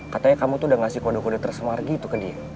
katanya kamu tuh udah ngasih kode kode tersemar gitu ke dia